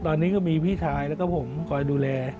ตอนนี้ก็มีพี่ชายแล้วก็ผมคอยดูแล